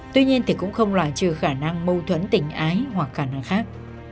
tuy nhiên thì cũng không loại trừ khả năng mâu thuẫn tình ái hoặc khả năng khác